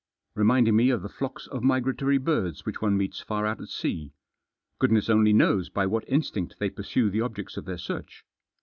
Reminding me of the flocks of migratory birds which one meets far out at sea. Goodness only knows by what instinct they pursue the objects of their search.